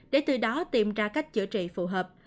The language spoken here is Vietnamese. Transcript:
để từ đó tìm ra cách chữa trị phù hợp